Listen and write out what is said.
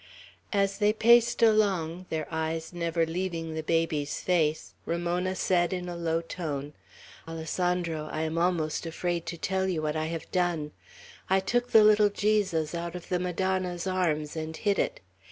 As they paced along, their eyes never leaving the baby's face, Ramona said, in a low tone, "Alessandro, I am almost afraid to tell you what I have done. I took the little Jesus out of the Madonna's arms and hid it!